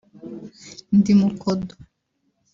«Ndi Mukodo »